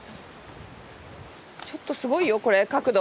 ちょっとすごいよこれ角度。